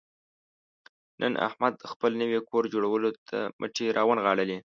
نن احمد د خپل نوي کور جوړولو ته مټې را ونغاړلې.